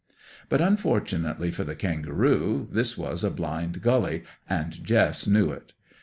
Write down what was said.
But, unfortunately for the kangaroo, this was a blind gully, and Jess knew it.